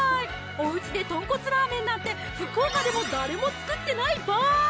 おうちでとんこつラーメンなんて福岡でも誰も作ってないばーい！